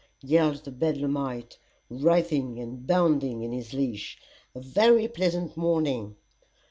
yelled the bedlamite, writhing and bounding in his leash "a very pleasant morning."